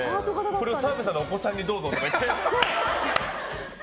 これを澤部さんのお子さんにどうぞって。